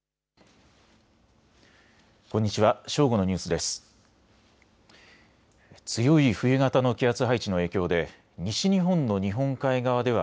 こんにちは。